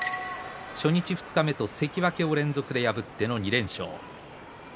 初日、二日目と関脇を連続で破っての２連勝です。